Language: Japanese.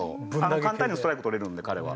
簡単にストライク取れるので彼は。